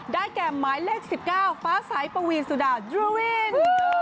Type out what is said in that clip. ได้แก่หมายเลขสิบเก้าฟ้าสายปวีนสุดาดรูวิน